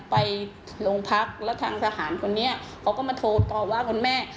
ไปโรงพักแล้วทางทหารคนนี้เขาก็มาโทรต่อว่าคุณแม่